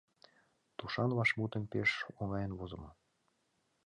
Тушан вашмутым пеш оҥайын возымо.